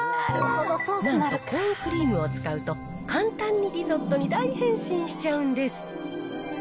なんと、コーンクリームを使うと簡単にリゾットに大変身しちゃうんです。